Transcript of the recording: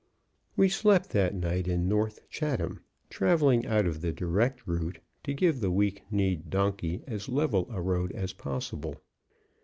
We slept that night in North Chatham, traveling out of the direct route to give the weak kneed donkey as level a road as possible.